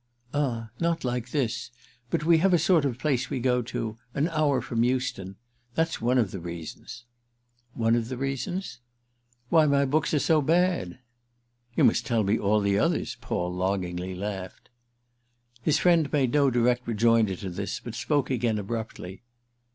"Ah not like this! But we have a sort of place we go to—an hour from Euston. That's one of the reasons." "One of the reasons?" "Why my books are so bad." "You must tell me all the others!" Paul longingly laughed. His friend made no direct rejoinder to this, but spoke again abruptly.